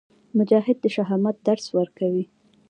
مجاهد د شهامت درس ورکوي.